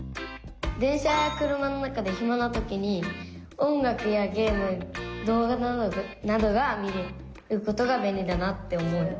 電車や車の中でひまなときに音楽やゲーム動画などが見れることが便利だなって思う。